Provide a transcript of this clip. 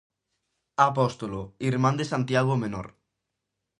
Apóstolo, irmán de Santiago o Menor.